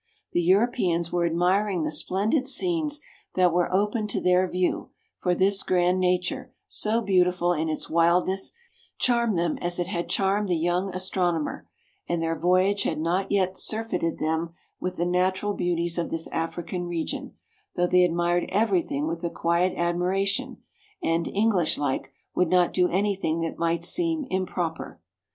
The Europeans were admiring the splendid scenes that were opened to their view, for this grand nature, so beautiful in its wildness, charmed them as it had charmed the young astronomer, and their voyage had not yet sur feited them with the natural beauties of this African region, though they admired every thing with a quiet admiration, and, English like, would not do any thing that might seem " improper."